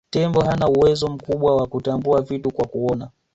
Tembo hana uwezo mkubwa wa kutambua vitu kwa kuona